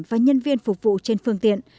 và nhân viên phục vụ trên phương tiện